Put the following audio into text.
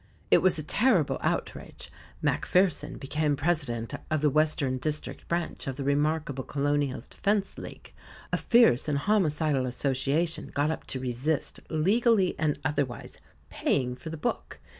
It was a terrible outrage. Macpherson became president of the Western District Branch of the "Remarkable Colonials" Defence League, a fierce and homicidal association got up to resist, legally and otherwise, paying for the book.